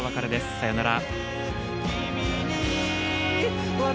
さようなら。